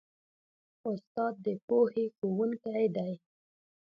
استاد د پوهې ښوونکی دی.